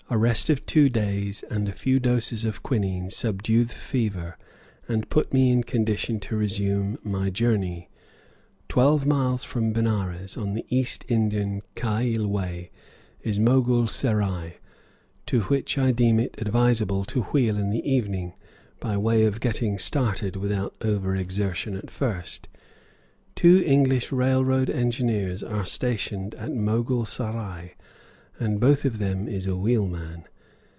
A rest of two days and a few doses of quinine subdue the fever and put me in condition to resume my journey. Twelve miles from Benares, on the East Indian Kail way, is Mogul Serai, to which I deem it advisable to wheel in the evening, by way of getting started without over exertion at first. Two English railroad engineers are stationed at Mogul Serai, and each of them is a wheelman.